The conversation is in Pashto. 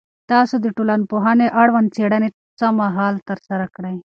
تاسو د ټولنپوهنې اړوند څېړنې څه مهال ترسره کړي؟